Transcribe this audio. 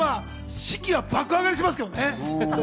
士気は爆上がりしますけどね。